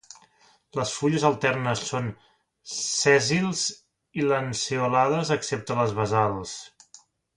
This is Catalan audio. Les fulles alternes són sèssils i lanceolades excepte les basals.